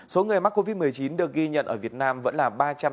số người mắc covid một mươi chín được ghi nhận ở việt nam vẫn là ba trăm ba mươi